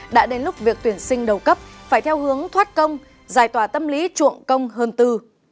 đã đến lúc việc tuyển sinh đầu cấp phải theo hướng thoát công giải tòa tâm lý chuộng công hơn tư